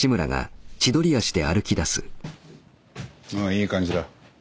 いい感じだ。